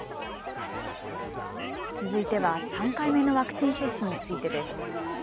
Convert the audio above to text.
続いては３回目のワクチン接種についてです。